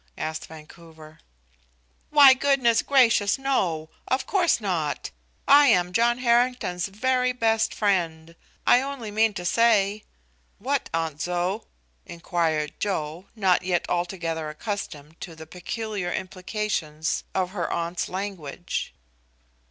asked Vancouver. "Why, goodness gracious no! Of course not! I am John Harrington's very best friend. I only mean to say." "What, Aunt Zoë?" inquired Joe, not yet altogether accustomed to the peculiar implications of her aunt's language.